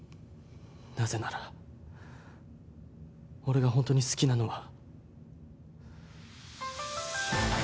なぜなら俺が本当に好きなのは。